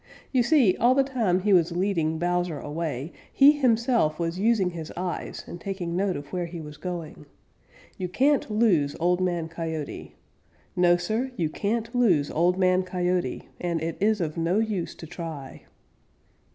You see, all the time he was leading Bowser away, he himself was using his eyes and taking note of where he was going. You can't lose Old Man Coyote. No, Sir, you can't lose Old Man Coyote, and it is of no use to try.